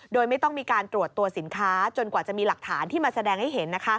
โดยไม่ต้องมีการตรวจตัวสินค้าจนกว่าจะมีหลักฐานที่มาแสดงให้เห็น